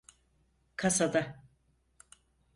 Kasada…